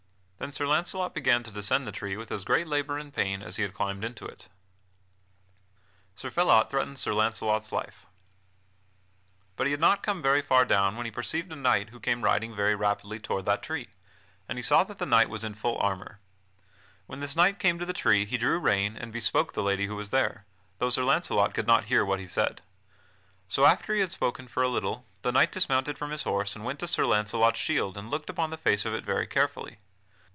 Then Sir Launcelot began to descend the tree with as great labor and pain as he had climbed into it. [Sidenote: Sir Phelot threatens Sir Launcelot's life] But he had not come very far down when he perceived a knight who came riding very rapidly toward that tree, and he saw that the knight was in full armor. When this knight came to the tree he drew rein and bespoke the lady who was there, though Sir Launcelot could not hear what he said. So, after he had spoken for a little, the knight dismounted from his horse and went to Sir Launcelot's shield and looked upon the face of it very carefully.